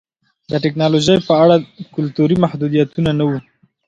د ټکنالوژۍ په اړه کلتوري محدودیتونه نه وو